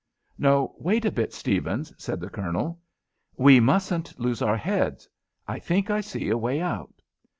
"No, wait a bit, Stephens!" said the Colonel. "We mustn't lose our heads. I think I see a way out.